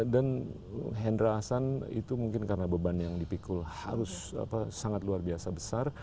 dan hendra hassan itu mungkin karena beban yang dipikul harus sangat luar biasa besar